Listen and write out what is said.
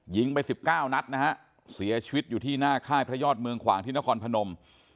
ยิงไปสิบเก้านัดนะฮะเสียชีวิตอยู่ที่หน้าค่ายพระยอดเมืองขวางที่นครพนม